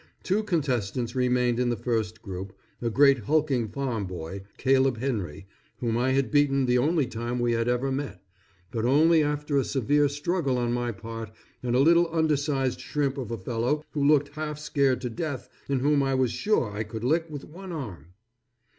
Two contestants remained in the first group, a great hulking farm boy, Caleb Henry, whom I had beaten the only time we had ever met, but only after a severe struggle on my part, and a little undersized shrimp of a fellow who looked half scared to death and whom I was sure I could lick with one arm.